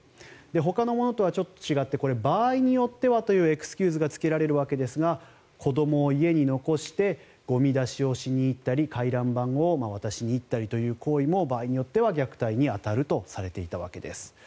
ほかのものとはちょっと違って場合によってはというエクスキューズがつけられるわけですが子どもを家に残してゴミ出しをしに行ったり回覧板を渡しに行ったりという行為も場合によっては虐待に当たるとされていたわけです。